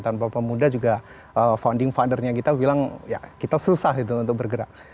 tanpa pemuda juga founding fathernya kita bilang ya kita susah untuk bergerak